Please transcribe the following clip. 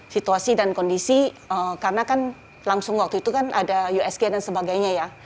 situasi dan kondisi karena kan langsung waktu itu kan ada usg dan sebagainya ya